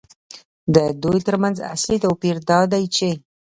د دوی ترمنځ اصلي توپیر دا دی چې